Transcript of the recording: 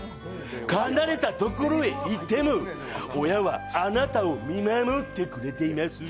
離れたところへ行っても親はあなたを見守ってくれています。